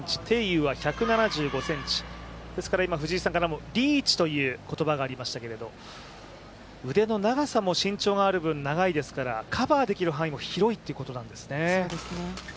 雨は１７５ｃｍ、ですからリーチという言葉がありましたけれども腕の長さも身長がある分、長いですからカバーできる範囲も広いということなんですね。